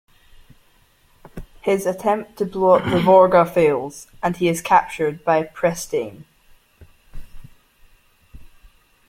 His attempt to blow up the "Vorga" fails, and he is captured by Presteign.